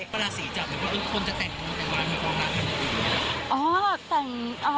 เวลาสี่จ่ำอุ้นนะคะบางคนจะแต่งหวานแผงกว่าน่ะ